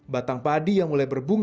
batang padi yang mulai berbunga